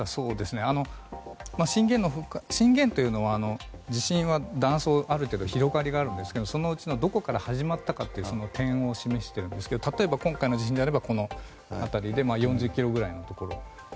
震源というのは地震は、断層広がりがありますがそのうちどこから始まったかという点を示しているんですが例えば今回の地震であれば４０ｋｍぐらいのところ。